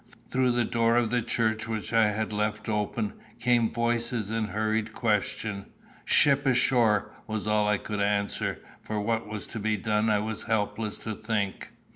Through the door of the church, which I had left open, came voices in hurried question. "Ship ashore!" was all I could answer, for what was to be done I was helpless to think.